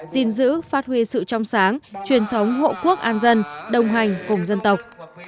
gìn giữ phát huy sự trong sáng truyền thống hộ quốc an dân đồng hành cùng dân tộc